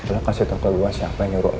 lo kasih tau ke gua siapa yang nyuruh lo